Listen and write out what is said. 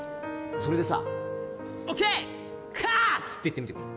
それでさＯＫカット！って言ってみてくんない？